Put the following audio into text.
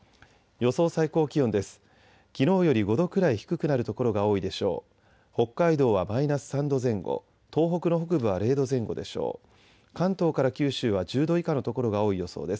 予想最高気温です。